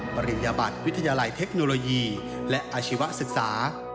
ปริญญาบัตรวิทยาลัยเทคโนโลยีและอาชีวศึกษา